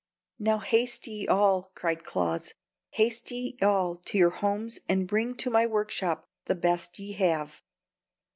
"Now haste ye all," cried Claus, "haste ye all to your homes and bring to my workshop the best ye have.